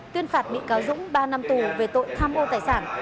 tuyên phạt bị cáo dũng ba năm tù về tội tham ô tài sản